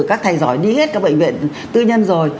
các thầy giỏi đi hết các bệnh viện tư nhân rồi